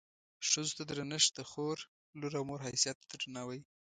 ښځو ته درنښت د خور، لور او مور حیثیت ته درناوی.